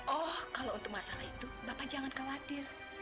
oh kalau untuk masalah itu bapak jangan khawatir